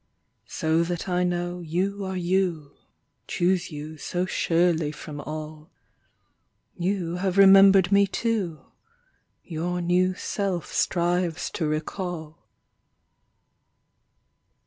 So that I know you are you, Choose you so surely from all. You have remembered me, too : Your new self strives to recall.